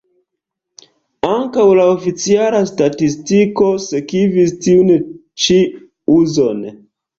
Ankaŭ la oficiala statistiko sekvis tiun ĉi uzon.